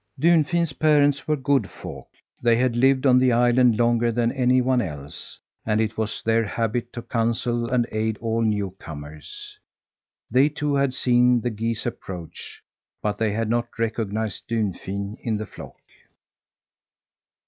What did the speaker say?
Dunfin's parents were good folk. They had lived on the island longer than any one else, and it was their habit to counsel and aid all newcomers. They too had seen the geese approach, but they had not recognized Dunfin in the flock.